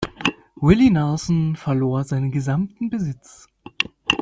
Willie Nelson verlor seinen gesamten Besitz.